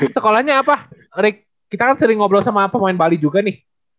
sekolahnya apa kita kan sering ngobrol sama pemain bali juga nih